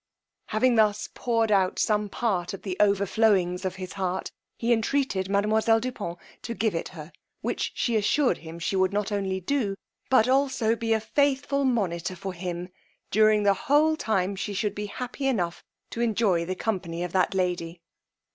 Having thus poured out some part of the over flowings of his heart, he entreated mademoiselle du Pont to give it her, which she assured him she would not only do, but also be a faithful monitor for him during the whole time she should be happy enough to enjoy the company of that lady.